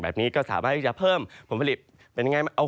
แบบนี้ก็สามารถให้จะเพิ่มผลผลิตเป็นแง่มั้ย